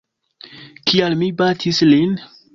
Kial mi batis lin?